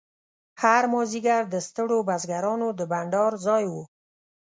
هر مازیګر د ستړو بزګرانو د بنډار ځای و.